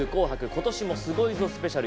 今年もすごいぞスペシャル」